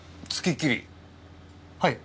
はい。